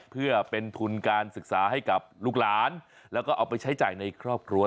เพื่อเป็นทุนการศึกษาให้กับลูกหลานแล้วก็เอาไปใช้จ่ายในครอบครัว